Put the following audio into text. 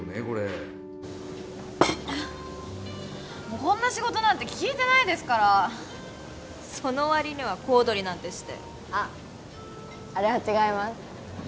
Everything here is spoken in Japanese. これこんな仕事なんて聞いてないですからその割には小躍りなんてしてあっあれは違います